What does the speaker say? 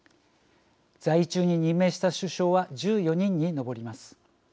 在位中に任命した首相は１４人に上ります。